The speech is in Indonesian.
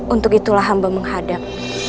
untuk itulah hamba menghadap